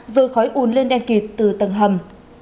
rồi khói un lên đen kịt từ tầng hầm